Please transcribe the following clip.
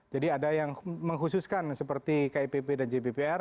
jadi ada yang menghususkan seperti kipp dan jppr